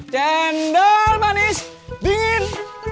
cendal manis dingin